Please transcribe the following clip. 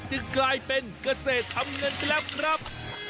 จะกลายเป็นเกษตรทำเงินครับครับ